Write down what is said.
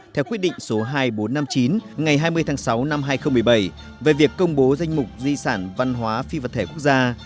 theo quyết định số hai nghìn bốn trăm năm mươi chín ngày hai mươi tháng sáu năm hai nghìn một mươi bảy về việc công bố danh mục di sản văn hóa phi vật thể quốc gia